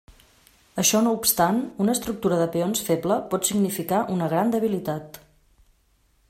Això no obstant, una estructura de peons feble pot significar una gran debilitat.